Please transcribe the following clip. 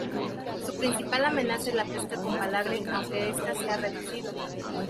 Su principal amenaza es la pesca con palangre, aunque esta se ha reducido.